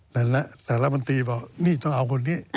แต่รมนตรีบอกนี่ต้องเอาคนนี้